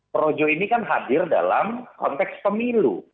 projo ini kan hadir dalam konteks pemilu